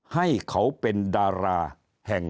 ให้เขาเป็นดาราแห่งตัวเอง